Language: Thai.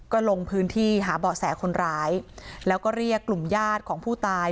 ก็ลงพื้นที่หาเบาะแสคนร้ายแล้วก็เรียกกลุ่มญาติของผู้ตาย